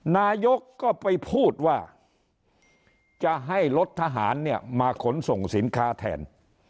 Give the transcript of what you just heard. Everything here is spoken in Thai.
นายกก็ไปพูดว่าจะให้รถทหารเนี่ยมาขนส่งสินค้าแทน